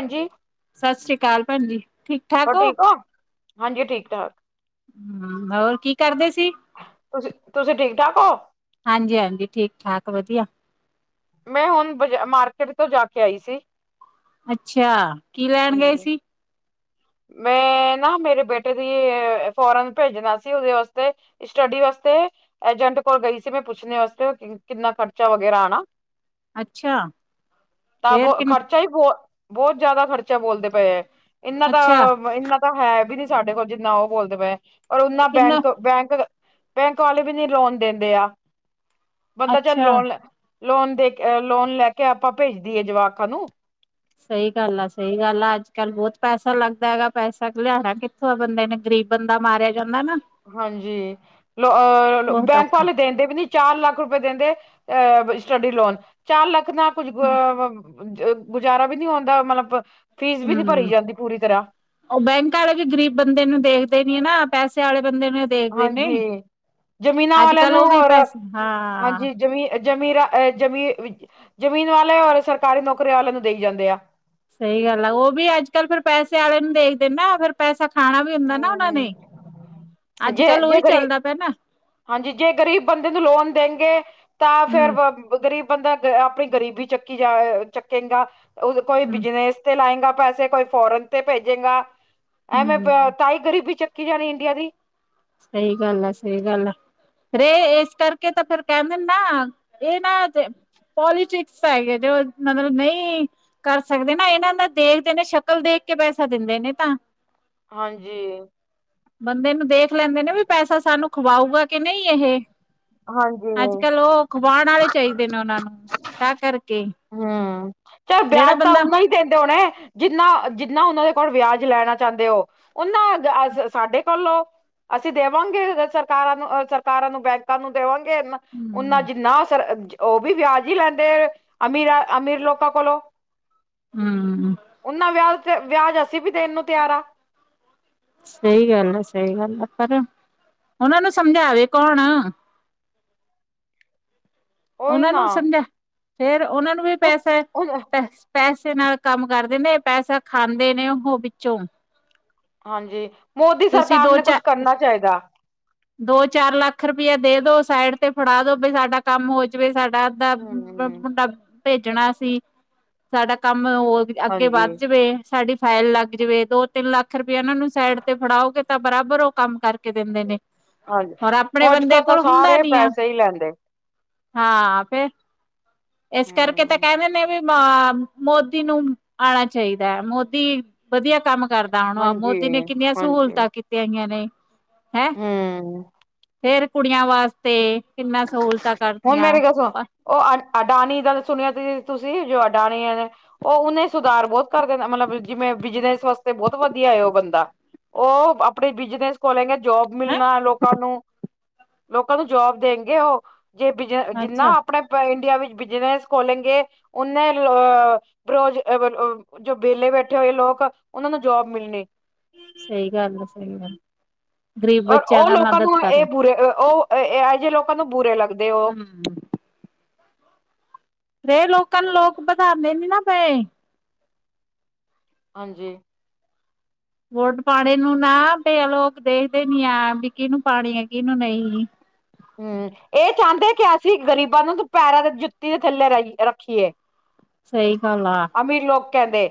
ਹਾਂਜੀ। ਸਤਿ ਸ੍ਰੀ ਅਕਾਲ ਭੈਣ ਜੀ। ਠੀਕ ਠਾਕ ਹੋਰ ਠੀਕ ਹੋ? ਹਾਂਜੀ ਠੀਕ- ਠਾਕ। ਹੂ, ਹੋਰ ਕੀ ਕਰਦੇ ਸੀ? ਤੁਸੀਂ -ਤੁਸੀਂ ਠੀਕ- ਠਾਕ ਹੋ? ਹਾਂਜੀ- ਹਾਂਜੀ, ਠੀਕ -ਠਾਕ ਵਧੀਆ। ਮੈਂ ਹੁਣ ਬਜ- ਮਾਰਕੀਟ ਤੋਂ ਜਾ ਕੇ ਆਈ ਸੀ। ਅੱਛਾ। ਕੀ ਲੈਣ ਹਾਂਜੀ ਗਏ ਸੀ? ਮੈਂ ਨਾ, ਮੇਰੇ ਬੇਟੇ ਦੀ, ਫੋਰਨ ਭੇਜਣਾ ਸੀ, ਉਹਦੇ ਵਾਸਤੇ ਸਟੱਡੀ ਵਾਸਤੇ, ਏਜੰਟ ਕੋਲ ਗਈ ਸੀ ਮੈਂ ਪੁੱਛਣੇ ਵਾਸਤੇ। ਕਿੰਨਾ ਖਰਚਾ ਵਗੈਰਾ ਆਉਣਾ। ਅੱਛਾ ਤਾਂ ਫੇਰ ਕਿੰਨ ਖਰਚਾ ਸਹੀ ਬਹੁਤ -ਬਹੁਤ ਜਿਆਦਾ ਖਰਚਾ ਬੋਲਦੇ ਪਏ ਹੈ। ਇੰਨਾ ਦਾ ਅੱਛਾ ਇੰਨਾ ਤਾਂ ਹੈ ਵੀ ਨੀ ਸਾਡੇ ਕੋਲ ਜਿੰਨਾ ਉਹ ਬੋਲਦੇ ਪਏ। ਓਰ ਓਨਾ ਕਿੰਨਾ ਬੈਂਕ-ਬੈਂਕ ਬੈਂਕ ਵਾਲੇ ਵੀ ਨੀ ਲੋਨ ਦਿੰਦੇ ਆ। ਬੰਦਾ ਚ' ਅੱਛਾ ਲੋਨ ਲੈ ਲੋਨ ਦੇ ਕੇ, ਅ ਲੋਨ ਲੈ ਕੇ ਆਪਾਂ ਭੇਜਦੀਏ ਜਵਾਕਾਂ ਨੂੰ। ਸਹੀ ਗੱਲ ਐ ਸਹੀ ਗੱਲ ਐ, ਅੱਜ-ਕੱਲ੍ਹ ਬਹੁਤ ਪੈਸਾ ਲੱਗਦਾ ਹੈਗਾ ਪੈਸਾ, ਲਿਆਣਾ ਕਿ ਸੋਂ ਬੰਦੇ ਨੇ, ਗਰੀਬ ਬੰਦਾ ਮਾਰਿਆ ਜਾਂਦੇ ਨਾ। ਹਾਂਜੀ, ਲੋਹ ਅ ਲੋ ਬਹੁਤ ਬੈਂਕ ਔਖਾ ਵਾਲੇ ਦਿੰਦੇ ਵੀ ਨੀ, ਚਾਰ ਲੱਖ ਰੁਪਏ ਦਿੰਦੇ ਅਹ ਸਟੱਡੀ ਲੋਨ, ਚਾਰ ਲੱਖ ਨਾ ਕੁੱਝ ਅ ਅ-ਗੁਜ਼ਾਰਾ ਵੀ ਨੀ ਹੋਂਦਾ ਮਤਲਬ, ਫੀਸ ਵੀ ਨੀ ਭਰੀ ਜਾਂਦੀ ਪੂਰੀ ਤਰ੍ਹਾਂ। ਓਹ ਬੈਂਕ ਆਲੇ ਵੀ ਗ਼ਰੀਬ ਬੰਦੇ ਨੂੰ ਵੇਖਦੇ ਨੀ ਨਾ, ਪੈਸੇ ਆਲੇ ਬੰਦੇ ਨੂੰ ਦੇਖਦੇ ਨੇ ਹਾਂਜੀ, ਜਮੀਨਾਂ ਅੱਜ ਆਲਿਆਂ ਕੱਲ ਨੂੰ ਉਹ ਵੀ ਔਰ, ਪੈਸੇ ਹਾਂ ਹਾਂਜੀ ਜਮੀ ਅ ਜ਼ਮੀਰਾ ਅ ਜ਼ਮੀ, ਜ਼ਮੀਨ ਵਾਲੇ ਔਰ ਸਰਕਾਰੀ ਨੋਕਰੀ ਆਲਿਆਂ ਨੂੰ ਦੇਈ ਜਾਂਦੇ ਆ। ਸਹੀ ਗੱਲ ਐ, ਓਹ ਵੀ ਅੱਜ-ਕੱਲ ਫੇਰ ਪੈਸੇ ਆਲੇ ਨੂੰ ਦੇਖਦੇ ਨਾ ਫੇਰ ਪੈਸਾ ਖਾਣਾ ਵੀ ਹੁੰਦਾ ਨਾ ਉਹਨਾਂ ਹਮ ਨੇ, ਜੇ ਅੱਜ-ਕੱਲ ਜੇ ਓਹੀ ਗਰੀ ਚੱਲਦਾ ਪਿਆ ਨਾ। ਹਾਂਜੀ ਜੇ ਗ਼ਰੀਬ ਬੰਦੇ ਨੂੰ ਲੋਨ ਦੇਂਗੇ, ਤਾਂ ਫੇਰ ਹਮ ਗ਼ਰੀਬ ਬੰਦਾ ਗ ਆਪਣੀ ਗਰੀਬੀ ਚੱਕੀ ਜਾਏ ਚੱਕੇਂਗਾ, ਓਹ ਕੋਈ ਹਮ ਬਿਜਨੇਸ ਤੇ ਲਾਏਂਗਾ ਪੈਸੇ, ਕੋਈ ਫੋਰਨ ਤੇ ਭੇਜੇਗਾ, ਐਵੇਂ ਹਮ ਤਾਹੀ ਗਰੀਬੀ ਚੱਕੀ ਜਾਣੀ ਇੰਡੀਆ ਦੀ। ਸਹੀ ਗੱਲ ਆ, ਸਹੀ ਗੱਲ ਆ। ਰੇ ਏਸ ਕਰਕੇ ਤਾਂ ਫੇਰ ਕਹਿੰਦੇ ਨਾ, ਏਹ ਨਾ ਪੋਲੀਟਿਕਸ ਪੈ ਗਏ, ਦੇ ਹੋਰ ਮਤਲਬ ਨਹੀਂ। ਕਰ ਸਕਦੇ ਨਾ, ਏਹਨਾਂ ਦਾ ਦੇਖਦੇ ਨੇ, ਸ਼ਕਲ ਦੇਖ ਕੇ ਪੈਸਾ ਦਿੰਦੇ ਨੇ ਤਾਂ। ਹਾਂਜੀ। ਬੰਦੇ ਨੂੰ ਦੇਖ ਲੈਂਦੇ ਨੇ ਵੀ ਪੈਸਾ, ਸਾਨੂੰ ਖਵਾਊਗਾ ਕੇ ਨਹੀਂ ਏਹ ਹਾਂਜੀ ਅੱਜ-ਕੱਲ ਓਹ ਖਵਾਣ ਆਲੇ ਚਾਹੀਦੇ ਨੇ ਓਹਨਾਂ ਨੂੰ, ਤਾਂ ਕਰਕੇ ਹੁਂ, ਚੱਲ ਜਿਹੜਾ ਬਿਆਜ ਤਾਂ ਬੰਦਾ ਓਨਾ ਈ ਦਿੰਦੇ ਓੱਨੈ, ਜਿੰਨਾ-ਜਿੰਨਾ ਓਹਨਾਂ ਦੇ ਕੋਲ ਵਿਆਜ ਲੈਣਾ ਚਾਹਂਦੇ ਓ। ਉਹਨਾਂ ਜ ਆਜ ਸਾਡੇ ਕੋਲੋਂ। ਅਸੀਂ ਦੇਵਾਂਗੇ ਸਰਕਾਰਾਂ ਨੂੰ, ਅ ਸਰਕਾਰਾਂ ਨੂੰ ਬੈਂਕਾਂ ਨੂੰ ਦੇਵਾਂਗੇ ਏਨਾ ਉਨਾ ਹਮ ਜਿੰਨਾ ਅਸਰ, ਓਹ ਵੀ ਵਿਆਜ ਈ ਲੈਂਦੇ ਐ। ਅਮੀਰ ਆ ਅਮੀਰ ਲੋਕਾਂ ਕੋਲੋਂ। ਹੂੰ-ਹੂੰ। ਓੱਨਾ ਵਿਆਹ ਤੇ ਵਿਆਜ ਅਸੀਂ ਵੀ ਦੇਣ ਨੂੰ ਤਿਆਰ ਆ। ਸਹੀ ਗੱਲ ਐ ‌ਸਹੀ ਗੱਲ ਐ ਪਰ, ਉਹਨਾਂ ਨੂੰ ਸਮਝਾਵੇ ਕੌਣ। ਉਹੀ ਓਹਨਾਂ ਨਾ ਨੂੰ ਸਮਝਾ, ਫੇਰ ਓਹਨਾਂ ਨੂੰ ਵੀ ਹੁਣ ਪੈਸੈ, ਹੁਣ ਪੈ‌‌ਹੇ ਪੈਸੇ ਨਾਲ ਕੰਮ ਕਰਦੇ ਨੇ, ਪੈਸਾ ਖਾਂਦੇ ਨੇ ਓਹ ਵਿੱਚੋਂ। ਹਾਂਜੀ, ਮੋਦੀ ਤੁਸੀਂ ਸਰਕਾਰ ਨੇ ਕੁੱਛ ਕਰਨਾ ਚਾਈਦਾ। ਦੋ-ਚਾਰ ਲੱਖ ਰੁਪਆ ਦੇ ਦੋ ਸਾਈਡ ਤੇ ਫੜਾ ਦੋ, ਬਈ ਸਾਡਾ ਕੰਮ ਹੋ ਜਵੇ ਸਾਡਾ ਦਾ ਮ ਹੂੰ ਮੁੰਡਾ ਭੇਜਣਾ ਸੀ, ਸਾਡਾ ਕੰਮ ਹੋ ਜੇ। ਅੱਗੇ ਵੱਧ ਹਾਂਜੀ-ਹਾਂਜੀ ਜਵੇ, ਸਾਡੀ ਫਾਈਲ ਲੱਗ ਜਵੇ, ਦੋ-ਤਿੰਨ ਲੱਖ ਰੁਪਿਆ ਇਹਨਾਂ ਨੂੰ ਸੈਡ ਫੇਰ ਤਾਂ ਬਰਾਬਰ ਓ ਕੰਮ ਕਰਕੇ ਦੇਂਦੇ ਨੇ। ਪਰ ਆਪਣੇ ਹੁਣ ਅੱਜ ਬੰਦੇ ਕੱਲ ਤਾਂ ਕੋਲੋਂ ਹੁੰਦਾ ਸਾਰੇ ਨੀ ਆ। ਪੈਸੇ ਹੀ ਲੈਂਦੇ ਹਾਂ ਫੇਰ, ਏਸ ਕਰਕੇ ਤੈ ਹੂੰ ਕਹਿੰਦੇ ਨੇ ਵੀ ਮ ਮੋਦੀ ਨੂੰ ਆਣਾ ਚਾਈਦੈ, ਮੋਦੀ ਵਧੀਆ ਕੰਮ ਕਰ ਵਾਹ-ਵਾਹ, ਮੋਦੀ ਨੇ ਹਾਂਜੀ, ਕਿੰਨੀਆਂ ਹਾਂਜੀ ਸਹੂਲਤਾਂ ਕੀਤੀਆਂ ਹੀਈਆਂ ਨੇ, ਹੈਂ। ਹੂੰ ਫੇਰ ਕੁੜੀਆਂ ਵਾਸਤੇ ਕਿੰਨਾ ਸਹੂਲਤਾਂ ਹੁਣ ਕਰਤੀਆਂ ਮੇਰੀ ਕੱਸੋਂ ਓ ਅ ਅਡਾਨੀ ਦਾ ਸੁਣਿਆ ਤੁਸੀਂ, ਜੋ ਅਡਾਨੀ ਐ ਨੇ ਉਹ ਉਹਨੇ ਸੁਧਾਰ ਬਹੁਤ ਕਰ ਦੇਨਾ, ਮਤਲਬ ਜਿਵੇਂ ਬਿਜਨਸ ਵਾਸਤੇ ਬਹੁਤ ਵਧੀਆ ਹੈ ਉਹ ਬੰਦਾ। ਓ ਹ ਆਪਣੇ ਬਿਜਨਸ ਖੋਲੇਗੇ ਜੋਬ ਹੈਂ ਮਿਲਣਾ ਲੋਕਾਂ ਨੂੰ, ਲੋਕਾਂ ਨੂੰ ਜੋਬ ਦੇਗੇ ਗੇ ਉਹ, ਜੇ ਬਿਜ ਅ ਜਿੰਨਾ ਅੱਛਾ ਆਪਣੇ ਸਾਰੇ ਇੰਡੀਆ ਵਿੱਚ ਬਿਜਨਸ ਖੋਲਣਗੇ ਉਹਨੇੋ ਹੀ ਲੋ ਬਰੋਜ ਜੋ ਵਿਹਲੇ ਬੈਠੇ ਹੋਏ ਲੋਕ, ਉਹਨਾਂ ਨੂੰ ਜੋਬ ਮਿਲਣੀ। ਸਹੀ ਗੱਲ ਆ ਸਹੀ ਗੱਲ? ਗ਼ਰੀਬ ਔਰ ਬੱਚਿਆਂ ਉਹ ਦਾ ਲੋਕਾਂ ਮਦਦ ਨੂੰ ਕਰੋ ਇਹ ਬੁਰੇ ਉਹ ਇਹ ਜਿਹੇ ਲੋਕਾਂ ਨੂੰ ਬੁਰੇ ਲੱਗਦੇ। ਉਹ ਹੂੰ। ਦੇ ਲੋਕਾਂ ਨੂੰ ਲੋਕ ਪਧਾਂਦੇ ਨੀ ਨਾ ਪਏ। ਹਾਂਜੀ। ਵੋਟ ਪਾਣੇ ਨੂੰ ਨਾ ਤੇ ਲੋਕ ਦੇਖਦੇ ਨੀ ਆ ਵੀ ਕਿਹਨੂੰ ਪਾਣੀ ਆ ਕਿਹਨੂੰ ਨਹੀਂ। ਹੂੰ, ਇਹ ਚਾਹੁੰਦੇ ਕਿ ਅਸੀਂ ਗ਼ਰੀਬਾਂ ਨੂੰ ਦੋ ਪੈਰਾਂ ਦੀ ਜੁੱਤੀ ਦੇ ਥੱਲੇ ਰਹੀ ਰੱਖੀਏ। ਸਹੀ ਗਾਲ ਆ। ਅਮੀਰ ਲੋਕ ਕਹਿੰਦੇ,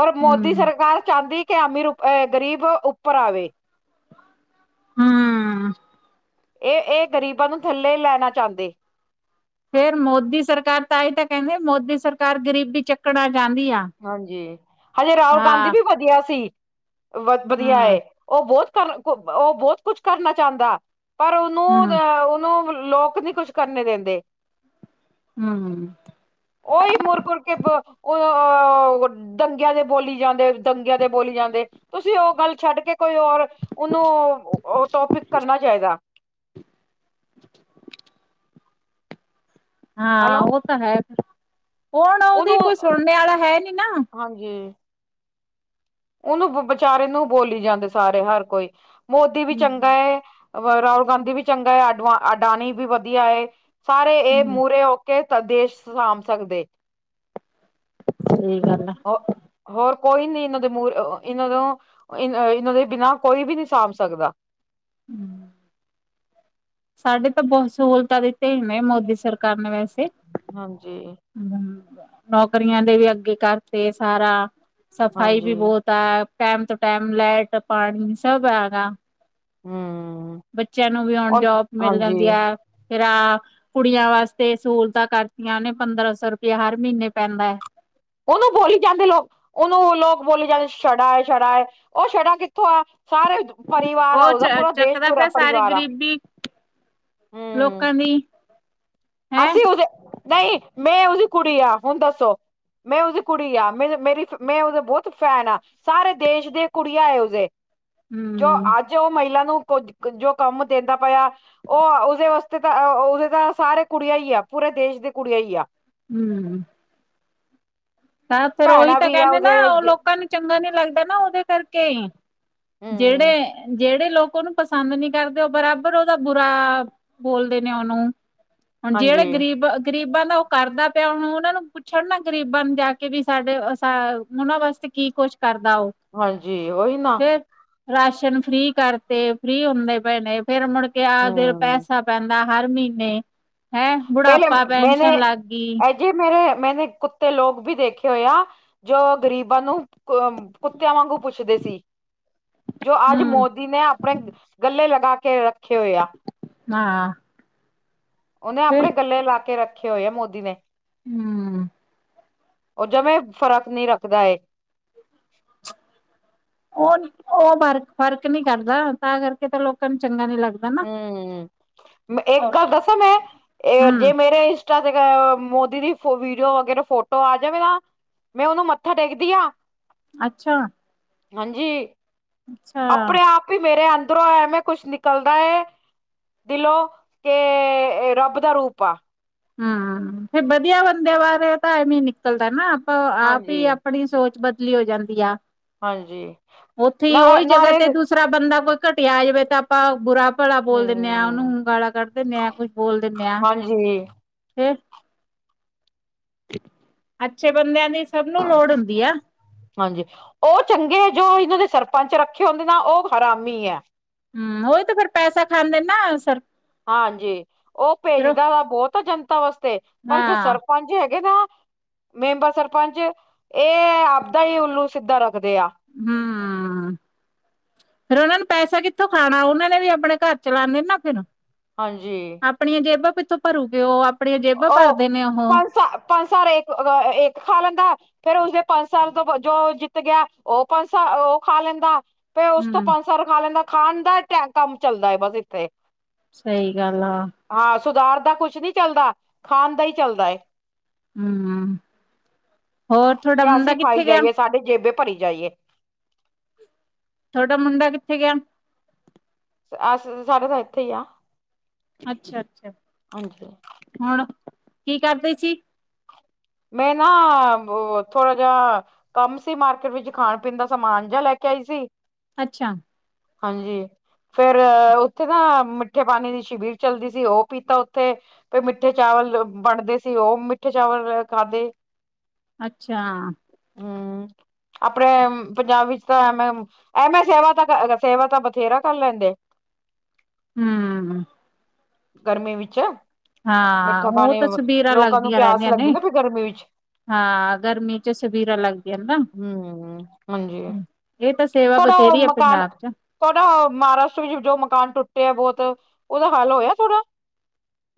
ਔਰ ਮੋਦੀ ਹਮ ਸਰਕਾਰ ਚਾਹੁੰਦੀ ਕਿ ਅਮੀਰ ਅ ਗ਼ਰੀਬ ਉੱਪਰ ਆਵੇ। ਹੂੰ। ਇਹ- ਇਹ ਗ਼ਰੀਬਾਂ ਨੂੰਤੇ ਲੋ ਥੱਲੇ ਲੈਣਾ ਚਾਹੁੰਦੇ। ਫੇਰ ਮੋਦੀ ਸਰਕਾਰ ਤਾਂਈ ਤਾਂ ਕਹਿੰਦੇ ਮੋਦੀ ਸਰਕਾਰ ਗਰੀਬੀ ਚੱਕਣਾ ਚਾਹੁੰਦੀ ਆ। ਹਾਂਜੀ, ਹਜੇ ਰਾਹੁਲ ਗਾਂਧੀ ਹਾਂ ਵੀ ਵਧੀਆ ਸੀ, ਵਧੀ- ਵਧੀਆ ਹੂੰ ਏ, ਉਹ ਬਹੁਤ ਪਰ ਓ ਹ ਬਹੁਤ ਕੁਛ ਕਰਨਾ ਚਾਹੁੰਦਾ, ਪਰ ਉਹਨੂੰ ਹੂੰ ਅਹ ਉਹਨੂੰ ਲੋਕ ਨੀ ਕੁੱਛ ਕਰਨੇ ਦਿੰਦੇ। ਹੂੰ- ਹੂੰ। ਉਹੀ ਮੁੁਰ- ਕੁੁਰ ਕੇ ਬ ਉਹ ਉਹ ਦੰਗਿਆਂ ਦੇ ਬੋਲੀ ਜਾਂਦੇ, ਦੰਗਿਆਂ ਦੇ ਬੋਲੀ ਜਾਂਦੇ, ਤੁਸੀਂ ਉਹ ਗੱਲ ਛੱਡ ਕੇ ਕੋਈ ਔਰ, ਉਹਨੂੰ ਓ ਟੋਪਿਕ ਕਰਨਾ ਚਾਹੀਦਾ। [unintelligible] ਹਾਂ ਹੈਲੋ ਉਹ ਤਾਂ ਹੈ, ਉਹ ਨਾ ਉਹਦੀ ਉਹਨੂੰ ਕੋਈ ਸੁਣਨੇਆ ਲਾ ਹੈ ਨੀ ਨਾ। ਹਾਂਜੀ। ਉਹਨੂੰ ਵਿਚਾਰੇ ਨੂੰ ਬੋਲੀ ਜਾਂਦੇ ਸਾਰੇ ਹਰ ਕੋਈ, ਮੋਦੀ ਵੀ ਚੰਗਾ ਹੂੰ ਹੈ। ਰਾਹੁਲ ਗਾਂਧੀ ਵੀ ਚੰਗਾ ਹੈ, ਅਡਵ ਅਡਾਨੀ ਵੀ ਵਧੀਆ ਏ, ਸਾਰੇ ਇਹ ਹੂੰ ਮੂਹਰੇ ਕਿ ਸਵਦੇਸ਼ ਸਾਂਭ ਸਕਦੇ। ਸਹੀ ਗੱਲ ਹੈ। ਹੋਰ ਕੋਈ ਨੀ ਇਹਨਾਂ ਦੇ ਮੂਰ ਇਹਨਾਂ ਤੋਂ ਇ ਇਹਨਾਂ ਦੇ ਬਿਨਾਂ ਕੋਈ ਵੀ ਨਹੀਂ ਸਾਂਭ ਸਕਦਾ ਸਾਡੇ ਤਾਂ ਬਹੁਤ ਸਹੂਲਤਾਂ ਦਿੱਤੇ ਹੀ ਨੇ ਮੋਦੀ ਸਰਕਾਰ ਨੇ ਵੈਸੇ। ਹਾਂਜੀ। ਹਮ ਨੌਕਰੀਆਂ ਦੇ ਵੀ ਅੱਗੇ ਕਰਤੇ ਸਾਰਾ ਸਫ਼ਾਈ ਵੀ ਹਾਂਜੀ ਬਹੁਤ ਤਾਂ ਟੈਮ ਤੋਂ ਟਾਈਮ ਲਾਈਟ ਪਾਣੀ ਸਭ ਹੈਗਾ। ਹਮ ਬੱਚਿਆਂ ਨੂੰ ਵੀ ਹੁਣ ਉਹ ਜੋਬ ਮਿਲ ਜਾਂਦੀ ਹਾਂਜੀ ਹੈ। ਫੇਿਰ ਆ ਕੁੜੀਆਂ ਵਾਸਤੇ ਸਹੂਲਤਾਂ ਕਰਤੀਆਂ ਉਹਨੇ ਪੰਦਰਾਂ ਸੌ ਰੁਪਇਆ ਹਰ ਮਹੀਨੇ ਪੈਂਦਾ ਹੈ? ਉਹਨੂੰ ਬੋਲ ਹੀ ਜਾਂਦੇ ਲੋਕ। ਉਹਨੂੰ ਲੋਕ ਬੋਲੀ ਜਾਂਦੇ ਛੜਾ -ਛੜਾ ਹੈ ਉਹ ਛੜਾ ਕਿੱਥੋਂ ਆ ਸਾਰੇ। ਪਰਿਵਾਰ ਆ ਉਹ ਚ ਉਹਦਾ ਪੂਰਾ ਦੇਸ਼ ਚੱਕਦਾ ਪੂਰਾ ਪਿਆ ਸਾਰੀ ਪਰਿਵਾਰ ਆ। ਗ਼ਰੀਬੀ ਹਮ ਲੋਕਾਂ ਦੀ। ਹੈਂ ਅਸੀਂ ਉਹਦੇ ਨਹੀਂ ਮੈਂ ਉਹਦੀ ਕੁੜੀ ਆ ਹੁਣ ਦੱਸੋ ਮੈਂ ੳਦੀ ਕੁੜੀ ਆ ਮੇਰ ਮੇਰੀ ਮੈਂ ੳਦੇ ਬਹੁਤ ਫੈਨ ਆ ਸਾਰੇ ਦੇਸ਼ ਦੇ ਕੁੜੀਆ ਏ ੳਦੇ ਜੋ ਹੂੰ। ਅੱਜ ਜੋ ਮਹਿਲਾ ਨੂੰ ਜੋ ਕੰਮ ਦੇੰਦਾ ਪੈਆ ੳਹ ੳਦੇ ਵਾਸਤੇ ਤਾਂ ੳਦੇ ਤਾਂ ਸਾਰੇ ਕੁੜੀਆ ਈ ਆ, ਪੂਰੇ ਦੇਸ਼ ਦੀ ਕੁੜੀਆ ਈ ਆ। ਹੂੰ ਤਾਂ ਫੇਰ ੳਹੀ ਭੈਣਾਂ ਤਾਂ ਵੀ ਆ ਕਹੰਦੇ ਨਾ ੳ ਉਹਦੇ ਲੋਕਾਂ ਨੂੰ ਚੰਗਾ ਨੀ ਲੱਗਦਾ ਨਾ ੳਦੇ ਕਰਕੇ ਈ ਹਮ ਜੇਹੜੇ, ਜੇਹੜੇ ਲੋਕ ੳਨੂੰ ਪਸੰਦ ਨੀ ਕਰਦੇ ੳ ਬਰਾਬਰ ੳਦਾ ਬੁਰਾ ਬੋਲਦੇ ਨੇ ੳਨੂੰ। ਹੁਣ ਜੇਹੜੇ ਹਾਂਜੀ ਗਰੀਬ ਗਰੀਬਾਂ ਦਾ ਉਹ ਕਰਦਾ ਪਿਆ ਹੁਣ ੳਨਾਂ ਨੂੰ ਪੁੱਛਣ ਨਾ ਗ਼ਰੀਬਾਂ ਨੂੰ ਜਾ ਕੇ ਕੀ ਵੀ ਸਾਡੇ ਅ ਸਾਂ ੳਨਾਂ ਵਾਸਤੇ ਕੀ ਕੁੱਛ ਕਰਦਾ ੳਹ। ਹਾਂਜੀ ਔਹੀ ਨਾ। ਰਾਸ਼ਨ ਫ੍ਰੀ ਕਰ ਤੇ, ਫ੍ਰੀ ਹੁੰਦੇ ਪਏ ਨੇ, ਫੇਰ ਮੁੜ ਕੇ ਆ ਫੇਰ ਪੈਸਾ ਪੈ ਅ ਹਰ ਮਹੀਨੇ ਹੈਂ ਬੁਢਾਪਾ ਪੈਨਸ਼ਨ ਲੱਗ ਗਈ ਜੇ ਮੇਰੇ ਮੈਨੇ ਕੁੱਤੇ ਲੋਕ ਵੀ ਦੇਖੇ ਹੋਏ ਆ ਜੋ ਗਰੀਬਾਂ ਨੂੰ ਕੁੱਤੇਆਂ ਵਾਂਗੂੰ ਪੁੱਛਦੇ ਸੀ। [inaudible] ਜੋ ਅੱਜ ਮੋਦੀ ਨੇ ਅਪਣੇ ਗੱਲੇ ਲਗਾ ਕੇ ਰੱਖੇ ਹੋਏ ਆ। ਨਾ ੳਨੇ ਅਪਣੇ ਗੱਲੇ ਲਾ ਕੇ ਰੱਖੇ ਹੋਏ ਆ ਮੋਦੀ ਨੇ। ਹੂੰ। ੳਹ ਜਂਵੇ ਫ਼ਰਕ ਨੀ ਰੱਖਦਾ ਏ। ੳ, ੳ ਫਰਕ ਫ਼ਰਕ ਨਹੀ ਕਰਦਾ ਤਾਂ ਕਰਕੇ ਤਾਂ ਲੋਕਾਂ ਨੂੰ ਚੰਗਾ ਨੀ ਲੱਗ ਹੂੰ। ਏਕ ਗੱਲ ਦੱਸਾਂ ਮੈਂ, ਹੂੰ ਜੇ ਮੇਰੇ ਇੰਸਟਾ ਤੇ ਜਦੋਂ ਮੋਦੀ ਦੀ ਵੀਡੀਓ ਵਗੇਰਾ ਫੋਟੋ ਆ ਜਾਵੇ ਨਾ ਮੈਂ ੳਨੂੰ ਮੱਥਾ ਟੇਕਦੀ ਆਂ। ਅੱਛਾ। ਹਂਜੀ ਅੱਛਾ ਆਪਣੇ ਆਪ ਈ ਮੇਰੇ ਅੰਦਰੋਂ ਐਵੇਂ ਕੁੱਛ ਨਿਕਲਦਾ ਏ ਦਿਲੋ ਕੇ ਰੱਬ ਦਾ ਰੂਪ ਆ। ਹੂੰ, ਫਿਰ ਬਧੀਆ ਬੰਦੇ ਬਾਰੇ ਤਾਂ ਐਵੇ ਨਿਕਲ ਨਿਕਲਦਾ ਨਾ ਆਪਾਂ ਆਪ ਹਾਂਜੀ ਹੀ ਅਪਣੀ ਸੋਚ ਬਦਲੀ ਹੋ ਜਾਂਦੀ ਆ। ਹਾਂਜੀ ੳਥੇ ਹੀ ਨਾ ੳਹੀ ਜਗ੍ਹਾ ਨਾਲੇ ਤੇ ਹਮ ਦੂਸਰਾ ਬੰਦਾ ਕੋਈ ਘਟੀਆ ਆ ਜਾਵੇ ਤਾਂ ਆਪਾਂ ਬੁਰਾ ਭਲਾ ਬੋਲ ਦਿੰਨੇ ਆਂ, ੳਨੂੰ ਗਾਲਾਂ ਕੱਢ ਦਿੰਨੇ ਆਂ, ਕੁੱਛ ਬੋਲ ਦਿੰਨੇ ਆ। ਜਿਵੇਂ ਹੇ ਅੱਛੇ ਬੰਦੇਆਂ ਦੀ ਸਭ ਨੂੰ ਲੋੜ ਹੁੰਦੀ ਆ। ਹਾਂਜੀ ਉਹ ਚੰਗੇ ਏ, ਜੋ ਏਨਾਂ ਦੇ ਸਰਪੰਚ ਰੱਖੇ ਹੁੰਦੇ ਨਾ ਉਹ ਹਰਾਮੀ ਐ। ਹੂੰ, ੳਈ ਤੇ ਫੇਰ ਪੈਸਾ ਖਾਂਦੇ ਨਾ ਸਰ ਹਾਂਜੀ ੳਹ ਫਿਰ ਭੇਜਦਾ ਵਾ ਬਹੁਤ ਆ ਜਨਤਾ ਵਾਸਤੇ, ਪਰ ਜੋ ਸਰ ਹਾਂ ਸਰਪੰਚ ਹੈਗੇ ਨਾ ਮੈਂਬਰ ਸਰਪੰਚ ਏ ਆਪਦਾ ਹੀ ਉੱਲੂ ਸਿੱਧਾ ਰੱਖਦੇ ਆ। ਹੂੰ। ਫੇਰ ੳਨਾਂ ਨੂੰ ਪੈਸਾ ਕਿੱਥੋਂ ਖਾਨਾ, ੳਨਾ ਨੇ ਵੀ ਅਪਣੇ ਘਰ ਚਲਾਨੇ ਨਾ ਫਿਰ। ਹਾਂਜੀ। ਆਪਣੀਆਂ ਜੇਬਾਂ ਕਿਥੋਂ ਭਰੂਗੇ ੳ, ਆਪਣੀਆਂ ਜੇਬਾਂ ਭਰਦੇ ਉਹ ਨੇ ੳਹ। ਪੰਜ ਸਾਲ ਪੰਜ ਸਾਲ ਏਕ ਅ ਵ ਏਕ ਖਾ ਲੈਂਦਾ ਫੇਿਰ ਉਸਦੇ ਪੰਜ ਸਾਲ ਤੋਂ ਜੋ ਜਿੱਤ ਗਿਆ ਉਹ ਪੰਜ ਸਾਲ ਉਹ ਖਾ ਲੈਂਦਾ। ਫ ਉਸ ਤੋਂ ਹਮ ਪੰਜ ਸੌ ਰ ਖਾ ਲੈਂਦਾ ਖਾਣ ਦਾ ਕੰਮ ਚੱਲਦਾ ਬਸ ਇੱਥੇ। ਸਹੀ ਗੱਲ ਆ। ਹਾਂ ਸੁਧਾਰ ਦਾ ਕੁਛ ਨਹੀਂ ਚੱਲਦਾ ਖਾਣ ਦਾ ਹੀ ਚੱਲਦਾ। ਹਮ ਹੋਰ ਤੁਹਾਡਾ ਤੇ ਮੁੰਡਾ ਅਸੀਂ ਖਾਈ ਕਿੱਥੇ ਗਿਆ। ਜਾਈਏ ਸਾਡੇ ਜੇਬੇ ਭਰੀ ਜਾਈਏ। ਹਾਡਾ ਮੁੰਡਾ ਕਿੱਥੇ ਗਿਆ। ਅਸੀ ਸਾਡੇ ਤਾਂ ਇੱਥੇ ਈ ਆ। ਅੱਛਾ ਅੱਛਾ ਹਾਂਜੀ ਹੁਣ ਕੀ ਕਰਦੇ ਸੀ। ਮੈਂ ਨਾ ਥੋੜਾ ਜਿਹਾ। ਕੰਮ ਸੀ ਮਾਰਕੀਟ ਵਿੱਚ ਖਾਣ ਪੀਣ ਦਾ ਸਮਾਨ ਜਾ ਲੈ ਕੇ ਆਈ ਸੀ। ਅੱਛਾ। ਹਾਂਜੀ। ਫੇਰ ਉੱਥੇ ਨਾ ਮਿੱਠੇ ਪਾਣੀ ਦੀ ਸ਼ਿਬੀਰ ਚੱਲਦੀ ਸੀ ਉਹ ਪੀਤਾ ਉੱਥੇ। ਤੇ ਮਿੱਠੇ ਚਾਵਲ ਬਣਦੇ ਸੀ ਉਹ ਮਿੱਠੇ ਚਾਵਲ ਖਾਦੇ। ਅੱਛਾ। ਹਮ ਆਪਣੇ ਪੰਜਾਬ ਵਿੱਚ ਤਾਂ ਐਵੇਂ। ਐਵੇਂ ਸੇਵਾ ਤਾਂ ਸੇਵਾ ਤਾਂ ਬਥੇਰਾ ਕਰ ਲੈਂਦੇ। ਹਮ। ਗਰਮੀ ਵਿੱਚ ਹਾਂ ਮਿੱਠਾ ਉਹ ਪਾਾਣੇ ਤਾਂ ਸਬੀਰਾਂ ਲੋਕਾਂ ਨੂੰ ਲੱਗਦੀਆਂ ਪਿਆਸ ਰਹਿੰਦੀਆਂ ਲੱਗਦੀ ਨੇ। ਨਾ ਫ ਗਰਮੀ ਵਿੱਚ। ਹਾਂ ਗਰਮੀ। ਚ ਸਵੀਰਾਂ ਲੱਗਦੀਆਂ ਨਾ ਹਮ ਹਾਂਜੀ ਇਹ ਤਾਂ ਸੇਵਾ ਬਥੇਰੀ ਆ ਪੰਜਾਬ ਚ। ਤੁਡਾ ਮਹਾਰਾਸ਼ਟਰ ਵਿੱਚ ਜੋ ਮਕਾਨ ਟੁੱਟਿਆ ਬਹੁਤ ਉਹਦਾ ਹੱਲ ਹੋਇਆ ਥੋੜਾ।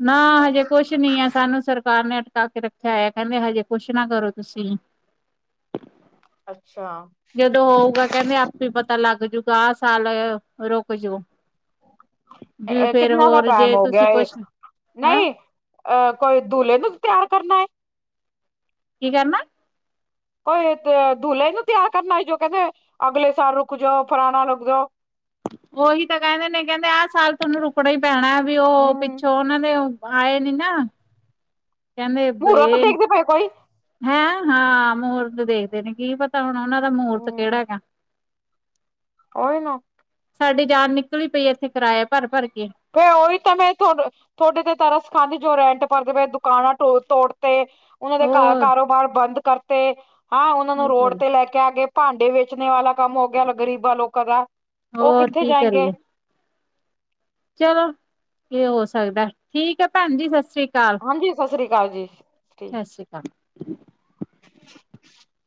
ਨਾ ਹਜੇ ਕੁਛ ਨੀ ਆ ਸਾਨੂੰ ਸਰਕਾਰ ਨੇ ਅਟਕਾ ਕੇ ਰੱਖਿਆ ਹੋ ਕਹਿੰਦੇ ਹਜੇ ਕੁਛ ਨਾ ਕਰੋ ਤੁਸੀਂ। ਅੱਛਾ। ਕਦੋਂ ਹੋਊਗਾ ਕਹਿੰਦੇ ਆਪੇ ਪਤਾ ਲੱਗ ਜੂਗਾ ਆਹ ਸਾਲ ਰੁਕ ਜਾਊ। ਕਿਤਨਾ ਕਾ ਪ੍ਰਾਇਮ ਜੇ ਹੋ ਗਿਆ ਤੁਸੀਂ ਇਹ ਕੁਛ ਹੈਂ ਨਹੀਂ। ਅਹ ਕੋਈ ਦੁਹ ਨੂੰ ਤਿਆਰ ਕਰਨਾ ਹੈ। ਕੀ ਕਰਨਾ। ਕੋਈ ਦੁਲੇ ਨੂੰ ਤਿਆਰ ਕਰਨਾ ਸੀ ਜੋ ਕਹਿੰਦੇ ਅਗਲੇ ਸਾਲ ਰੁਕ ਜਾਓ ਫਰਾਣਾ ਰੁਕ ਜਾਓ। ਉਹੀ ਤਾਂ ਕਹਿੰਦੇ ਨੇ ਕਹਿੰਦੇ ਆਹ ਸਾਲ ਤਹਨੂੰ ਰੁਕਣਾ ਹੀ ਪੈਣਾ ਵੀ ਉਹ ਹਮ ਪਿੱਛੋਂ ਉਹਨਾਂ ਨੇ। ਆਏ ਨੀ ਨਾ ਕਹਿੰਦੇ ਮਹੂਰਤ ਇਹ। ਦੇਖਦੇ ਪਏ ਕੋਈ ਹੈਂ ਹਾਂ ਮੂਰਤ ਦੇਖਦੇ ਨੇ ਕੀ ਪਤਾ ਹੁਣ ਉਹਨਾਂ ਦਾ ਮੂਰਤ ਕਿਹੜਾ ਹੈਗਾ। ਓਹੀ ਨਾ। ਸਾਡੇ ਜਾਨ ਨਿਕਲੀ ਪਈ ਹੈ। ਇੱਥੇ ਕਿਰਾਇਆ ਭਰ ਭਰ ਕੇ। ਫੇਿਰ ਉਹੀ ਤਾਂ ਮੈਂ ਤੁ ਤੁਹਾਡੇ ਤੇ ਤਰ ਸਿਖਾਉਦੀ ਜੋ ਰੈਂਟ ਪਰਦੇਵੇਏ ਦੁਕਾਨਾਂ ਤੋੜ ਤੇ। ਉਹਨਾਂ ਦੇ ਹੋਰ ਕਾਰੋਬਾਰ ਬੰਦ ਕਰਤੇ ਹੈਂ। ਉਹਨਾਂ ਨੂੰ ਕੀ ਰੋਡ ਕਰੀਏ। ਤੇ ਲੈ ਕੇ। ਕ ਕੇ ਭਾਂਡੇ ਵੇਚਣੇ ਵਾਲਾ ਕੰਮ ਹੋ ਗਿਆ ਗ਼ਰੀਬਾਂ ਲੋਕਾਂ ਦਾ ਉਹ ਹੋਰ ਕਿੱਥੇ ਕੀ ਜਾਏਗੇ। ਕਰੀਏ ਚਲੋ ਇਹ ਹੋ ਸਕਦਾ ਠੀਕ ਹੈ ਭੈਣ ਜੀ ਸਤਿ ਸ੍ਰੀ ਅਕਾਲ। ਸ ਹਾਂਜੀ ਸਤਿ ਸ੍ਰੀ ਅਕਾਲ ਜੀ ਅਕਾਲ ਸਤਿ ਸ੍ਰੀ ਅਕਾਲ ਹ।